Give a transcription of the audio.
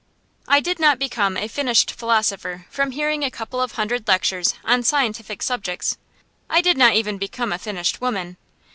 I did not become a finished philosopher from hearing a couple of hundred lectures on scientific subjects. I did not even become a finished woman.